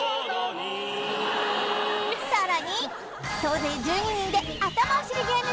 更に総勢１２人であたまおしりゲーム